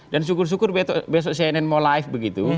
dan syukur syukur besok cnn mau live begitu